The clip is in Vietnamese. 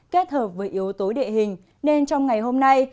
kết hợp với yếu tố địa hình nên trong ngày hôm nay